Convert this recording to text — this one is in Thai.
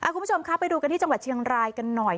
คุณผู้ชมครับไปดูกันที่จังหวัดเชียงรายกันหน่อย